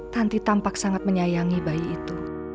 tanti tampak sangat menyayangi bayi itu